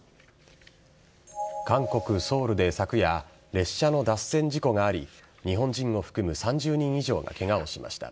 韓国・ソウルで昨夜、列車の脱線事故があり、日本人を含む３０人以上がけがをしました。